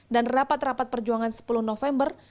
dan rapat rapat perjuangan sepuluh november